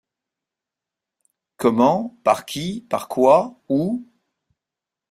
Comment? par quy ? par quoy ? où ?...